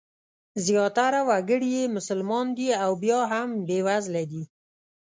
زیاتره وګړي یې مسلمانان دي او بیا هم بېوزله دي.